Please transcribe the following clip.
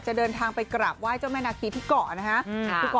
ที่อยากเดินทางไปกรับไหว้เจ้าแม่นาคีที่เกาะนะคะ